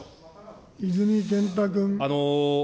泉健太君。